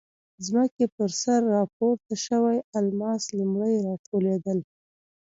ځمکې پر سر راپورته شوي الماس لومړی راټولېدل.